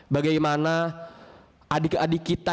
bagaimana adik adik kita